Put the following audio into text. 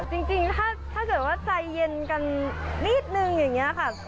จริงถ้าเกิดว่าใจเย็นกันนิดนึงอย่างนี้ค่ะ